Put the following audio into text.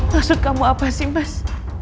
maksud kamu apa sih mas